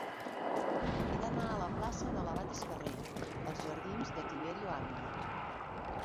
He d'anar de la plaça de l'Abat Escarré als jardins de Tiberio Ávila.